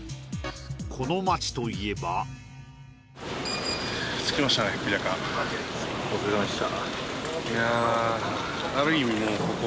この街といえばお疲れ様でした